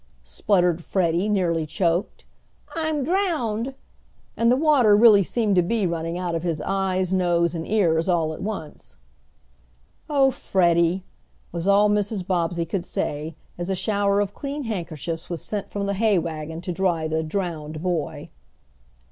spluttered Freddie, nearly choked, "I'm drowned!" and the water really seemed to be running out of his eyes, noses and ears all at once. "Oh, Freddie!" was all Mrs. Bobbsey could say, as a shower of clean handkerchiefs was sent from the hay wagon to dry the "drowned" boy.